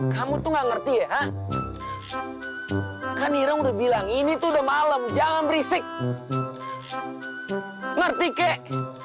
kamu tuh gak ngerti ya kan iro udah bilang ini tuh udah malam jangan berisik ngerti kek